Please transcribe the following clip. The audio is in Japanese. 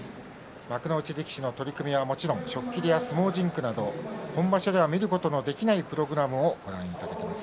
幕内力士の取組はもちろん初っ切りや相撲甚句など本場所では見ることのできないプログラムをご覧いただけます。